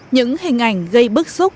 những hình ảnh gây bức xúc